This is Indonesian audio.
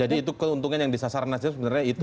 jadi itu keuntungan yang disasar nasdem sebenarnya itu